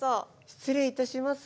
失礼いたします。